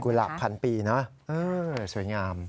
หลาบพันปีนะสวยงาม